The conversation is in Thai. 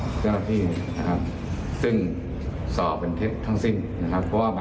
มั่วมาก